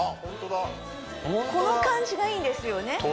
ホントだこの感じがいいんですよね